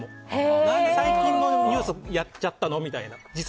何で最近のニュースをやっちゃったの？